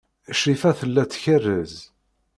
Crifa tella tkerrez.